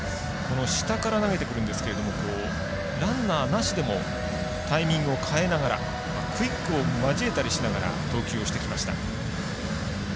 下から投げてくるんですがランナーなしでもタイミングを変えながらクイックを交えたりしながら投球してきました。